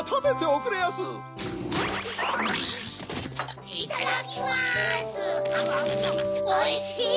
おいしい！